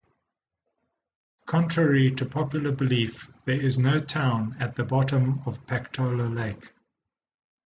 Contrary to popular belief there is no town at the bottom of Pactola Lake.